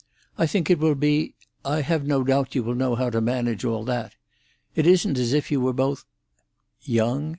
I think it will be—I have no doubt you will know how to manage all that. It isn't as if you were both—" "Young?"